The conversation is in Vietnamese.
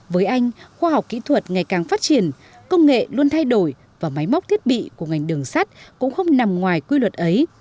với anh khoa học kỹ thuật ngày càng phát triển công nghệ luôn thay đổi và máy móc thiết bị của ngành đường sắt cũng không nằm ngoài quy luật ấy